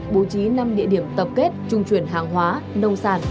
bố trí năm địa điểm tập kết trung chuyển hàng hóa nông sản